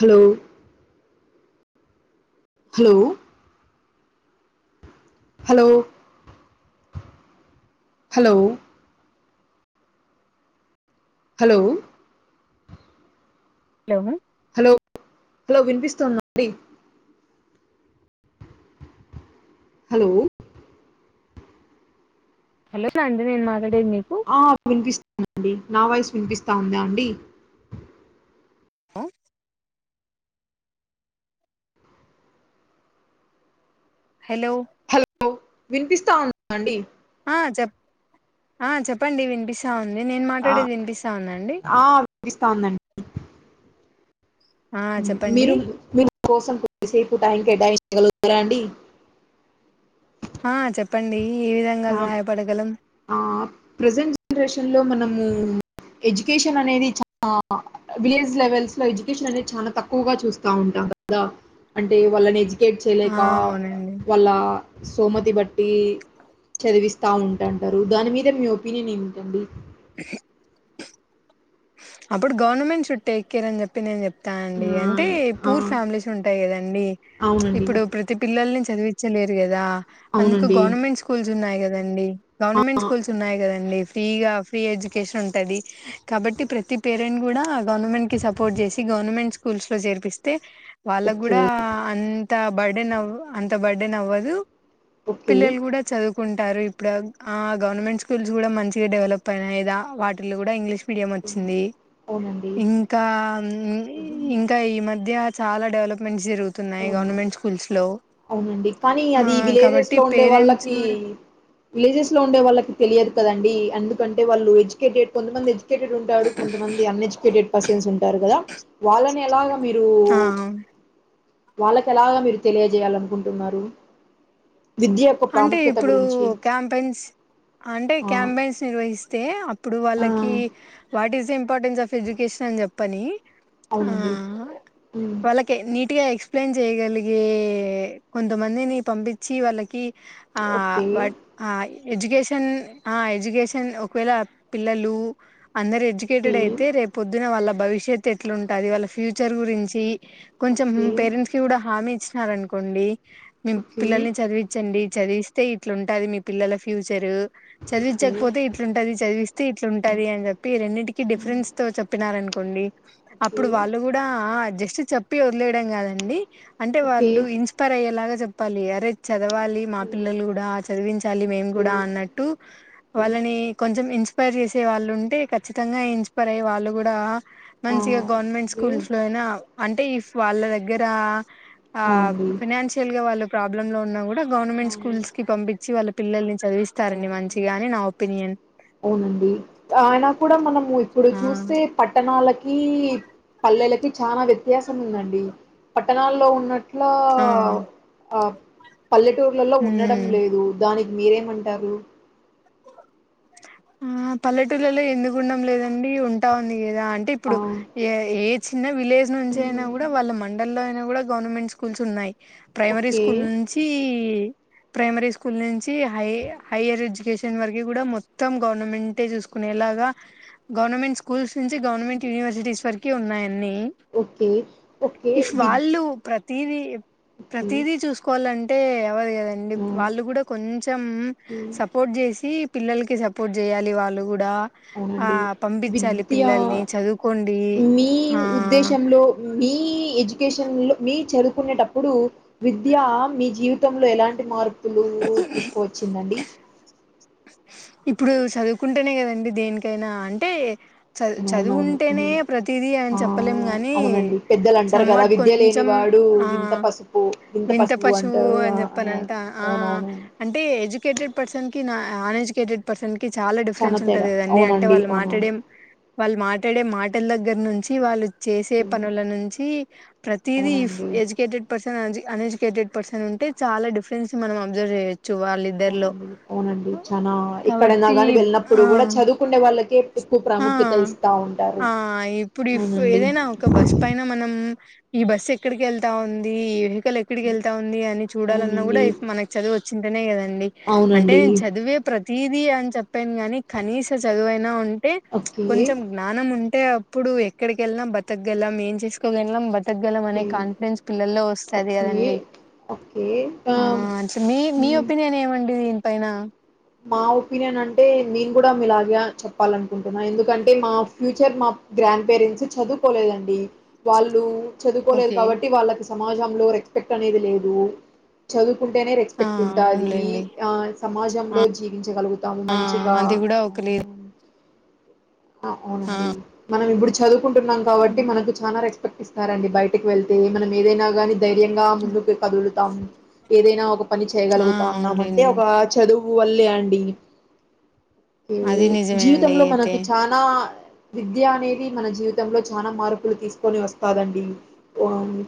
Hello hello hello hello hello hello hello hello వినిపిస్తుందా అండి hello hello నా అండి నేను మాట్లాడేద్ ఆ వినిపిస్తుందండి నా వాయిస్ వినిపిస్తాందా అండి ఆహ్ హేలో లో వినిపిస్తా ఉందా అండి ఆ చెప్ చెప్పండి వినిపిస్తా ఉంద్ నేను ఆ మాట్లాడేది వినిపిస్తా ఉందా అండి ఆ వినిపిస్తా ఉందండి మీరు మీ కోసం కొద్దిసేపు టైం కేటాయి [unintelligible] లురా అండి ఆ చెప్పండి ఏ విధంగా ఆ రాయబడగలం ఆ ప్రజెంట్ జనరేషన్ లో మనము ఎడ్యుకేషన్ అనేది చాలా విలేజ్ లెవెల్స్ లో ఎడ్యుకేషన్ అనేది చాలా తక్కువగా చూస్తా ఉంటాం కాదా అంటే వాళ్ళని ఎడ్యు కెట్ ఆ చేయలేక అవునండి వాళ్ళ సోమతి బట్టి డా అంటారు దాని మీద మీ ఒపీనియన్ ఏమిటండి అప్పుడు గవనమెంట్ షుడ్ టేక్ కేర్ అని చెప్పి నేను చెప్పు తా అండి ఆ, అంటే ఆ, పూర్ ఫ్యామిలీస్ ఉంటాయి కదండి అవునండి ఇప్పుడు ప్రతి పిల్లల నుంచి చదివించలేరు కదా అందుకు అవునండి గవర్నమెంట్ స్కూల్స్ ఉన్నాయి కదండి గవర్నమెంట్ ఆ, స్కూల్స్ ఉన్నాయి కదండి ఫ్రీగా ఫ్రీ ఎడ్యుకేషన్ ఉంటంది కాబట్టి ప్ర ప్రతి పేరెంట్ కూడా గవర్నమెంట్ కి సపోర్ట్ చేసి గవర్నమెంట్ స్కూల్స్ లో చేర్పిస్తే వాళ్ళకు కూడా ఓకే అంత బర్డే నవు అంత బర్డే ను అవ్వదు ఓకే పిల్లలు కూడా చదువుకుం టారు ఇప్పుడు ఆ ఆ గవర్నమెంట్ స్కూల్స్ కూడా మంచిగా డెవలప్ అయనాదా వాటిల్లో కూడా ఇంగ్లీష్ మీడియం వచ్చింది అవునండి ఇంకా ఇంకా ఈ మధ్య చాలా డెవలప్మెంట్స్ జరుగుతున్నాయి అవును గవర్నమెంట్ స్కూల్స్ లో అవునండి కానీ ఆ అది విలేజెస్ కాబట్టి లో ఉండే పేరెంట్స్ వాళ్ళకి కూడా విలేజెస్ లో ఉండే వాళ్ళకి తెలియదు కదండి ఎందుకంటే వాళ్ళు ఏజ్ కేటెడ్ కొంతంది ఎడ్యుకేటెడ్ ఉంటారు కొంతమంది అన్ ఎడ్యుకేటెడ్ పర్సన్స్ ఉంటారు కదా వాళ్ళని ఎలాగా మీరు ఆమ్ వాళ్ళకి ఎలాగా మీరు తెలియజేయాలనుకుంటున్నారు విద్య యొక్క అంటే ప్రాముఖ్యత ఇప్పుడు గురించి. క్యాంపెన్స్ అంటే ఆ! క్యాంపెన్స్ నిర్వహిస్తే అపు ఇప్పుడు ఆ! వాళ్ళకి what is importance of education అని చెప్పని ఆ అవునండి. హ్మ్. వాళ్ళకే నీట్గా ఎక్స ఎక్స్ప్లెయిన్ చేయగలిగే కొంతమందిని పంపించి వాళ్ళకి ఆ ఓకే. వాట్ అయే ఎడ్యుకేషన్ ఆ ఎడ్యుకేషన్ ఒకవేళ పిల్లలు అందరు ఎడ్యుకేటెడ్ ఓకే. అయితే రేపు పొద్దున వాళ్ళ భవిష్యత్తు ఎట్లుంటుంది వాళ్ళ ఫ్యూచర్ గురించి కొంచెం ఓకే. పేరెంట్స్ కి కూడా హామీ ఇచ్చినార అనుకోండి మీ ఓకే. పిల్లల్ని చదివి అండి చదివిస్తే ఇట్లా ఉంటది మీ పిల్లల ఫ్యూచరు ఓకే. చదివించకపోతే ఇట్లుంటది చదివిస్తే ఇట్లుంటది అని చెప్పి రెన్నింటికీ డిఫరెన్స్ తో చెప్పినారను కోండి ఓకే. అప్పుడు వాళ్ళు కూడా ఆ జస్ట్ చెప్పి వదిలేయడం కాదండి అంటే ఓకే. వాళ్ళు ఇన్స్పైర్ అయ్యేలాగా చెప్పాలి అరేజ్ చదవాలి మా హ్మ్. పిల్లలు కూడా చదివించాలి మేము ఓకే. కూడా అన్నట్టు ఓకే. వాళ్ళని కొంచెం ఇన్స్ ఇన్స్పైర్ చేసే వాళ్ళు ఉంటే ఖచ్చితంగా ఇన్స్పైర్ అయ్యే వాళ్ళు కూడా ఆ! మంచిగా గవర్నమెంట్ ఓకే. స్కూల్స్ లో అయినా అంటే ఈ వాళ్ళ దగ్గర ఆ ఫన్షియల్గా వాళ్ళ ప్రాబ్లమ్ లో ఉన్నా కూడా గవర్నమెంట్ అవును. స్కూల్స్ కి పంపించి వాళ్ళ పిల్లల్ని అవును. చదివిస్తారండి మంచిగా అని నా ఒపీనియన్ అవునండి ఆయన కూడా మనము ఇప్పుడు ఆ చూస్తే పట్టణాలకు కి పల్లెలకి చాలా వ్యత్యాసం ఉందండి పట్టణాల్లో ఉన్నట్టు లో ఆ అపు పల్లెటూర్లలో ఉండడం ఉమ్ లేదు దానికి మీరేమంటారు ఆ పల్లెటూళ్లలో ఎందుకు ఉండడం లేదండి ఉంటా ఉంది కదా అంటే ఆ! ఇప్పుడు ఏ ఏత్ చిన్న విలేజ్ నుంచి అయినా హ్మ్. కూడా వాళ్ళ మండల్లో అయినా కూడా గవర్నమెంట్ స్కూల్స్ ఉన్నాయి ప్రైమరీ ఓకే. స్కూల్ నుంచి ప్రైమరీ స్కూల్ నుంచి హై హైయర్ ఎడ్యుకేషన్ వరకు కూడా మొతు మొత్తం గవర్నమెంటట్ ఏ చూసుకునేలాగా గవర్నమెంట్ స్కూల్స్ నుంచి గవర్నమెంట్ యూనివర్సిటీస్ వరకి ఉన్నాయి ఇన్ని ఓకే. ఓకే. ఇఫు విద్ వాళ్ళు ప్రత్ తీదీ ఓకే. ప్రతిదీ చూసుకోవాలంటే ఎవరు ఏ దండి ఆ! ప్ వాళ్ళు కూడా కొంచెం హ్మ్. సపోర్ట్ చేసి పిల్లలకి సపోర్ట్ చేయాలి వాళ్ళు కూడు డా ఆ అవునండి. పంపించాలి విద్యా పిల్లల్ని చదువుకోండి మీ ఆ ఉద్దేశంలో మీ ఎడ్యు ఎడ్యుకేషన్లో మీ చదువుకునేటప్పుడు విద్య మీ జీవితంలో ఎలాంటి మార్పు పలు తీసుకోవచ్చిందండి ఇప్పుడు చదువుకుంటేనే కదండి దేనికైనా అంటే చదు చదువు అవునవును ఉంటేనే మ్ ప్రతిదీ అయన ఆ చెప్పలేము గాని అవునండి పెద్దలు అంటారు కదా సమ్వాట్ విద్య కొంచెం లేనివాడు ఆ వింత పసుపు వింత పసుపు పశువు అంటారు ఆ, అని చెప్పనంట ఆ అవునవును అంటే ఎుకే టెడ్ పర్సన్కి అన్ ఎజుకేటెడ్ పర్సన్కి చాలా చానా డిఫరెన్స్ ఉంటంది తేడా కదన్నీ అంటే అవునండి వాళ్ళు అవునవును మాట్లాడేం వాళ్ళు మాట్లాడే మాటల దగ్గర నుంచి వాళ్ళు చేసే ఉమ్, పనుల నుంచి ప్రతిదిీ్ అవునండి ఎడ్యుకేటెడ్ పర్సన్ అ ఎడుకేటెడ్ పర్సన్ంటే చాల డిఫరెన్స్ మనం అబ్జర్వ చేయచ్చు కూచ్చు వాళ్ళిద్దరిలో అవునండి అవునండి చానా ఎక్కడైనా కాబట్టి గాని ఆ వెళ్ళినప్పుడు కూడా చదువుకునే వాళ్ళకే ఎక్కువ ఆ ప్రాముఖ్యత ఇస్తా ఉంటారు ఆ ఇప్పుడు అవునండి ఏదైనా ఒక బస్ పైన మనం ఈ బస్ ఎక్కడికి వెళ్తా ఉంది ఈ వెహికల్ ఎక్కడికి వెళ్తా ఉంది అని చూడాలన్నా కూడా అవునండి మనకు చదివచ్చు చింటనే కదండి అంటే అవునండి. నేను చదివే ప్రతి తది అని చెప్పాను గాని కనీస చదువైనా ఉంటే ఓకే. కొంచెం జ్ఞానం ఉ అంటే అప్పుడు ఎక్కడికిెళ్ళనాా బతుకెళ్ాం ఏం చేసుకోగెళ్ాం బ ఎతగలం అనే ఓకే. కాన్ఫిడెన్స్ పిల్లల్లో వస్తుది ఓకే. కదండి ఓకే. ఆ ఆహ్, మీ మీ హ్మ్. ఒపీనియన్ ఏమండి దీనిపైన మా ఒపీనియన్ అంటే నేను కూడా ఇలాగే చెప్పాలనుకుంటున్నా ఎందుకంటే మా ఫ్యూచర్ మా గ్రాండ్ పేరెంట్స్ చదువుకోలేదండి వాళ్ళు చదువుకోలేదు ఓకే కాబట్టి వాళ్ళకి సమాజంలో రెస్పెక్ట్ అనేది లేదు చదువు కుంటేనే ఆ రెస్పెక్ట్ ఉంటుది అవునులేండి ఆ సమాజం ఆ జీవించగలుగుతాము ఆ మంచిగా అది కూడా అ ఒక లేదు ఆ అవునండి మనం ఇప్పుడు చదువుకుంటున్నాం కాబట్టి మనకు చాలా రెస్ పట్టిస్తారండి బయటకి వెళ్తే మనం ఏదైనా గాని ధైర్యంగా ముందుకు కదులుతాము ఏదైనా ఒక పని ఆ చేయగలుగుతా అన్నామ అంటే అవునులేండి ఒక చదువు వల్లే అండి ఏ అది నిజమే అండి జీవితంలో అయితే మనకి చనాా విద్య అనేది మన జీవితంలో చనాా మార్పులు తీసుకొని వస్తాదండి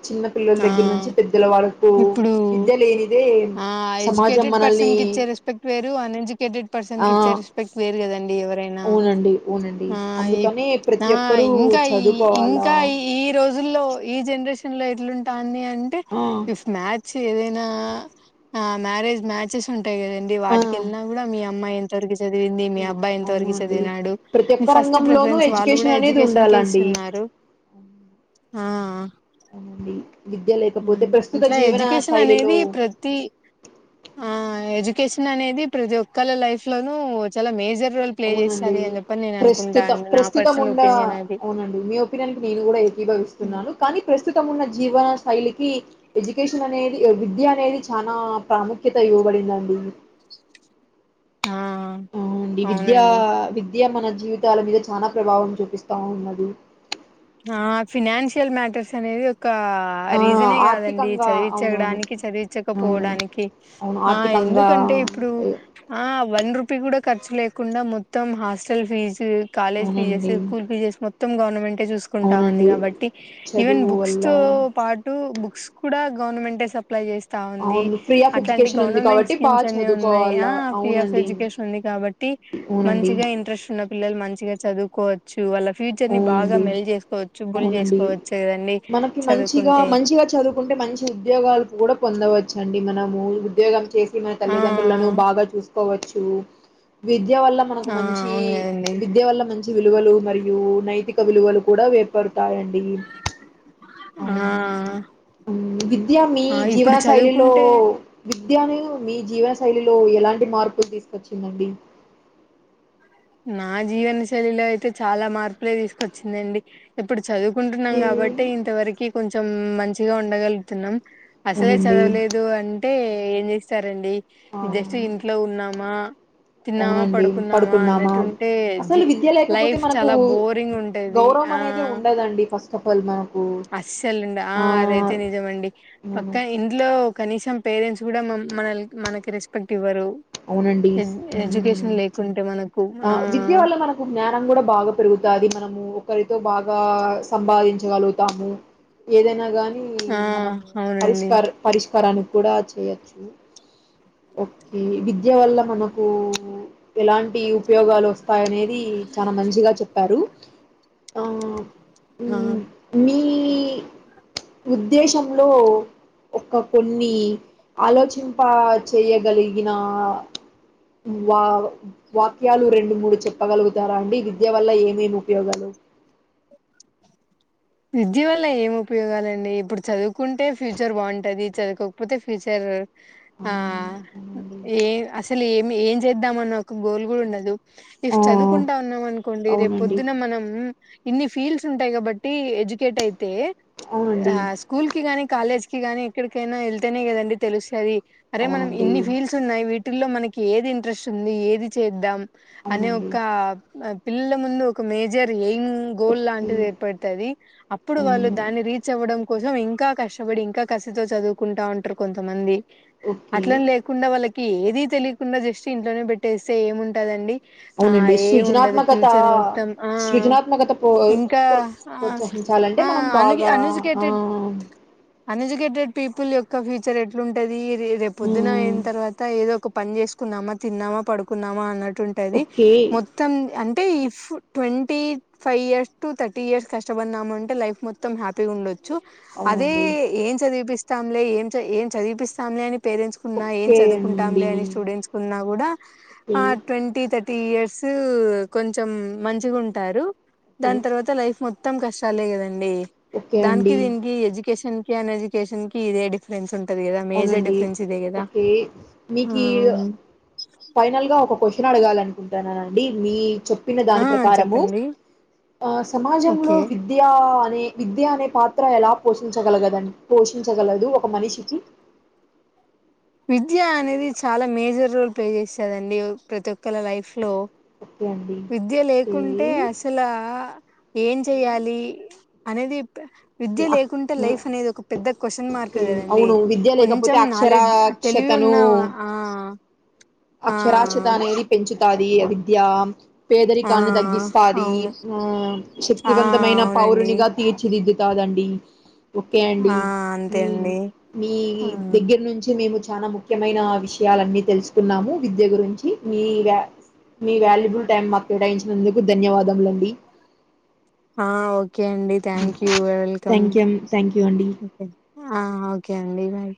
చిన్న పిల్లల ఆ దగ్గర నుంచి పెద్దల వాళ్లకు ఇప్పుడు విద్య లేనిదే ఆ సమాజం ఎడ్యుకేటెడ్ మనల్ని పర్సన్ కి రెస్పెక్ట్ అన్ ఎడ్యుకేటెడ్ పర్సన్ ఆ! క ఇచ్చే రెస్పెక్ట్ లేరు కదండి ఎవరైనా అవునండి. అవునండి. అందుకనే ఆ ప్రతి ఒక్కరూ ఇంకా ఈ చదువుకోవాలా ఇంకా ఈ ఈ రోజుల్లో ఈ జన్ జనరేషన్ లో ఎట్లుంటాంది అంటే ఆ! ఇఫ్ మ్యాచ్ ఏదైనా ఆ మ్యారేజ్ మ్యాచెస్ ఉంటాయి కదండి ఆ వాటికి వెళ్ళినా హ్మ్ కూడా మీ అమ్మాయి ఇంతవరకు చదివింది మీ అబ్ాయి ఇంత వరకు అవునండి చదివినడు ప్రతి ఒక్క ఫస్ట్ రంగంలోనూ ప్రిఫరెన్స్ వాళ్ళు కూడా ఎడ్యుకేషన్ అనేది ఎడ్యుకేషన్ కే ఉండాలండి ఇస్తున్నారు ఆ అవునండి విద్య లేకపోతే ప్రస్తుత అట్లా జీవన ఎడ్యుకేషన్ శైలిలో అనేది ప్రతి ఆ ఎ కెషన్ అనేది ప్రతి ఒక్కళ్ళ లైఫ్ లోను చాలా మేజర్ రోల్ ప్లే అవునండి చేస్తది అని చెప్పని నేను అనుకుంటా ప్రస్తుత అండి నా ప్రస్తుతం పర్సనల్ ఉండ ఒపీనియన్ అది అవునండి మీ ఒపీనియన్ కి నేను కూడా ఉమ్. విభవిస్తున్నాను కానీ ప్రశ ప్రస్తుతం ఉన్న జీవన శైలికి ఎడ్యుకేషన్ అనేది విద్య అనేది చాలా ప్రాముఖ్యత యో పడిందడి ఆ వుండి విద్య అవునండి విద్య మన జీవితాల మీద చాలా ప్రభావం చూపిస్తా ఉన్నది ఆ ఫినాన్షియల్ మ్యాటర్స్ అనేది ఒక ఆ రీజనే కాదండి ఆర్థికంగా అవునవును చదివించడానికి అవును చదివించకపోవడానికి అవును ఆ ఆర్థికంగా ఎందుకంటే ఇప్పుడు ఆ వన్ రూపీ కూడా ఖర్చు లేకుండా మొత్తం హాస్టల్ ఫీజు కాలేజ్ ఫీజెస్ అవునండి స్కూల్ ఫీజెస్ మొత్తం గవర్నమెంటే కుంటా ఉంది అవునండి కాబట్టి ఈవెన్ చదువు బుక్స్ వల్ల తో పాటు బుక్స్ కూడా గవర్నమెంంటే అప్లై చేస్తా ఉంది అవును ఫ్రీ ఆఫ్ అట్లాంటి ఎడ్యుకేషన్ ఉంది గవర్నమెంట్ కాబట్టి బాగా స్కీమ్స్ అన్ని చదువుకోవాల ఉన్నాయా ఫ్రీ ఆఫ్ అవునండి ఎడ్యుకేషన్ ఉంది కాబట్టి అవునండి మంచిగా ఇంట్రెష్ ఉన్నప్ పిల్లలు మంచిగా చదువుకోవచ్చు. వాళ్ళ ఫ్యూచర్ ని బాగా అవునండి మెల్ జేస్ అవునండి. మనకి మంచిగా, చదువుకుంటే మంచిగా చదువుకుంటే మంచి ఉద్యోగాలు కూడా పొందవచ్చు అండి, మనము ఉద్యోగం చేసి మన ఆ తల్లిదండ్రులను బాగా చూసుకోవాచ్చ. తు విద్య వల్ల మనకు ఆ మంచి, అవును కదండి విద్య వల్ల మంచి విలువలు మరియ్ యు నైతిక విలువలు కూడా వేర్పడతాయండి. ఆ విద్య మీ ఆ జీవన ఇప్పుడు శైలిలో చదువుకుంటే విద్ ద్యను మీ జీవనశైలిలో ఎలాంటి మార్పులు తీసుకొచ్చిందండి. నా జీవన శైలిలో అయితే చాలా మార్పులే తీసుకొచ్చిందండి. ఎప్పుడుడ్ చదువుకుంటున్నాం, ఏ- గబట్టే ఇంతవరకు కొంచెం మంచిగా ఉండగలుగుతున్నాం. అసలే అవునండి చదవలేదు అంటే ఏం జేస్తారండి. జెస్ట్ ఆ ఇంట్లో ఉన్నామా. తిన్నామా అవునండి, పడుకున్నామా అన్నట్టుంటే అసలు జీ విద్య లేకపోతే లైఫ్ మనకు చాలా బోరింగ్ ఉంటది గౌరవమ్ అనేది ఉండదండి ఫస్ తోపోల్ మా అసల్ నా ఆ అదైతే నిజమండి. అవును పక్క ఇంట్లో కనీసం పేరెంట్స్ కూడా మం మనల్క్ మనకి రెస్పెక్ట్ ఇవ్వరు. అవునండిస్ ఎడ్- హుమ్ ఎడ్యుకేషన్ లేకుంటే మనకు ఆ విద్య వల్ల మనకు జ్ఞానం కూడా బాగా పెరుగుతాది. మనం ము ఒకరితో బాగా సంపాదించగలుగుతాము. ఏదైనా గానీ కి ఆ మనము అవునండి పరిష్కార్, పరిష్కారాన్క్ కూడా చేయచ్చు. ఓకే విద్య వల్ల మనకు ఎలాంటి ఉపయోగాలు వస్తాయ్, అనేది చానా మంచిగా చెప్పారు. పాప్ మామ్ [inaudible] ఉద్దేశంలో ఒక కొన్ని ఆలోచింపా చేయగలిగిన్ నా వా వాక్యాలు రెండు మూడు చెప్పగలుగుతారా అండి. విద్ ద్య వల్ల ఏమేమి ఉపయోగాలు. విద్య వల్ల ఏం ఉపయోగాలండి ఇప్పుడు చదువుకుంటే ఫ్యూచర్ బావుంటది. చదువుకోకపోతే ఫ్యూచర్ ఆ ఏ అసలు ఏమి ఏం చేద్దామని ఒక గోల్ గూడ ఉండదు. ఇఫ్ ఆ చదువుకుంటా ఉన్నాం అనుకోండి. రేపు అవునండి పొద్దున మనం ఇన్ని ఫీల్స్ ఉంటాయి. కాబట్ట టీ అడ్జజుకెట్ అయితే ఆ స్కూల్ గాని కాలేజ్ కిగాని ఎక్కడికైనా ఏళ్తేనే కదండి తెలుస్తాది. అరే మనం అవునండి అవునండి ఇన్ని ఫీల్స్ ఉన్నాయి. విట్ టిలో మనకి ఏది ఇంట్రెస్ట్ ఉంది. ఏది చేద్దాం అనే అవునండి ఒక పిల్లల ముందు ఒక మేజర్, యేంగ్ గోల్డ్ ఓకే లాంటిదే. పెడుతది అప్పుడు అవును వాళ్ళు దాన్ని రీచ్ అవ్వడం. కోసం ఇంకా కష్టపడి ఇంకా కసితో చదువుకుంటా ఉంట్రు కొంతమంది ఓకే అట్లాన్ లేకుండా వాళ్ళకి ఏది తెలియకుండా, జస్ట్ ఇంట్లోనే పెట్టేస్తే ఏముంటదండి. ఆ అవునండి ఏ ఉండదు. సృజనాత్మకత ఫ్యూచర్ మొత్తం ఆ సృజనాత్మకత ప్రో ఇంకా ఆ ప్రోత్సహించాలంటే ఆ మనం అన్ బాగా అనుజిగేటేట్ ఆ అనుజిగే ఏటేట్ పీపుల్ యొక్క ఫ్యూచర్ ఎట్లుటాది. రేపు పొద్దున హ్మ్. అయిన తర్వాత ఏదో ఒకప్ పన్ జేసుకుందామా, తిన్నామా, పడుకున్నామా అన్నట్టుంటది. ఓకే. మొత్తం until if twenty five years thirty years కష్టపడినమంటే లైఫ్ మొత్తం హ్యాపీ ఉండొచ్చు. అదే అవునండి. ఏమ్ చదివిపిస్త్ తాంలే ఏమ్చే ఏం చదివిపిస్తాంలే అని పేరెంట్స్ కున్నా ఏం ఓకే చదువుకుంటాంలే అండి. అని స్టూడెంట్స్ కున్నా కూడా ఓకే. ఆ ట్వంటీ థాట్ టీయర్సు కొంచం మంచిగా ఉంటారు. ఓకే. దాన్ తర్వాత్ త లైఫ్ మొత్తం కష్టాలే కదండి. ఓకే దానికి అండి. దీనికి ఎడ్యుకేషన్ ఎన్ ఎజుకషన్ కి ఇదే డిఫెసంది అవునండి ఓకే ఆ మీకు ఫైనల్ గా ఒక క్వశ్చన్ అడగాల అనుకుంటాను ఆండి మీ చెప్పిన ఆ దాని ప్రకారము చెప్పండి ఆ సమాజంలో ఓకే విద్య అనే విద్య అనే పాత్ర ఎలా పోషించగలగదండి పోషించగలదు ఒక మనిషికి విద్య అనేది చాలా మేజర్ రోల్ ప్లే చేసదండి ప్రతి ఒక్కరు లైఫ్ లో ఓకే అండి. విద్య ఓకే. లేకుంటే అస అసలా ఏం ఓకే. చెయాలి అనేది విద్య ఓకే. అక్ లేకుంటే ఆ! లైఫ్ అనేది ఒక పెద్ద క్వశ్చన్ మార్క్ ఓకే. కదండి అవును. విద్య లేకపోతే కొంచెం నాలెడ్జ్ తెలివి అక్షరాస్యతను ఉన్నావా ఆ ఆ అక్షరాక్షత అనేది పెంచుతది అ విద్య ఆ పేదరికాన్ని తగ్గిస్తది అవును ఆ ఆ శక్తివంతమైన అవునండి పౌరునిగా తీర్చిది కాదండి ఓకే అండి ఆ అంతే మీ అండి మీ ఆ దగ్గర నుంచి మేము చాలా ముఖ్యమైన విషయాలన్నీ తెలుసుకున్నాము విద్య గురించి మీ వ మీ వాల్యూబుల్ టైం మాకు కేటాయించినందుకు ధన్యవాదములండి ఆ ఓకే అండి thank you welcome thank you thank you అండి ఆ ఓకే అండి మరి